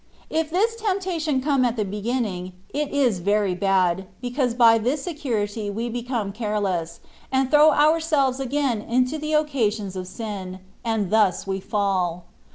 If this temptation come at the beginning, it is very bad, because by this security we become careless, and throw our selves again into the occasions of sin, and thus we fall.